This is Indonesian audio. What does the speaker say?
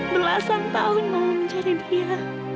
belasan tahun mama mencari dia